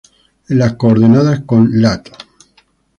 En las coordenadas con lat.